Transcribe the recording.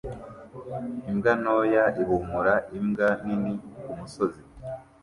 Imbwa ntoya ihumura imbwa nini kumusozi